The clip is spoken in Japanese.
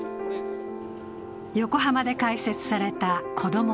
横浜で開設されたこども